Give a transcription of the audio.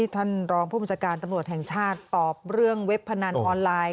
ตำรวจแห่งชาติตอบเรื่องเว็บพนันออนไลน์